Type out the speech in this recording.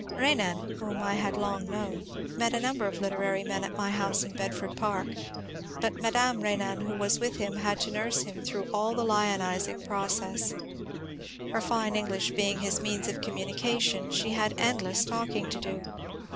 Renan (whom I had long known) met a number of literary men at my house in Bedford Park, but Madame Renan who was with him had to nurse him through all the lionizing pro cess ; her fine English being his means of communication, she had endless talking to do.